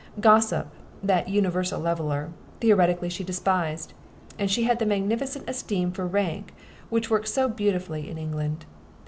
Gossip, that universal leveler, theoretically she despised; and she had that magnificent esteem for rank which works so beautifully in England.